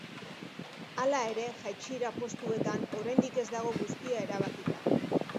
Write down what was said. Hala ere, jaitsiera postuetan oraindik ez dago guztia erabakita.